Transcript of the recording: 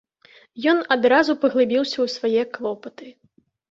Ён адразу паглыбіўся ў свае клопаты.